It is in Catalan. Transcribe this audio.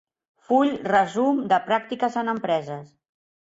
Full resum de pràctiques en empreses.